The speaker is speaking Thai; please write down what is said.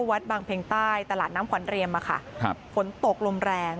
วัดบางเพ็งใต้ตลาดน้ำขวัญเรียมฝนตกลมแรง